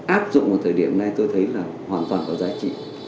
áp dụng vào thời điểm này tôi thấy là hoàn toàn có giá trị